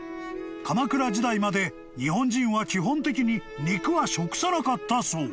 ［鎌倉時代まで日本人は基本的に肉は食さなかったそう］